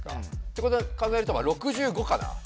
てことを考えると６５かな。